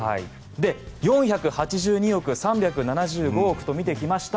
４８２億３７５億と見てきました。